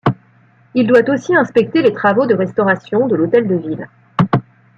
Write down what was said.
Il doit aussi inspecter les travaux de restauration de l'hôtel de ville.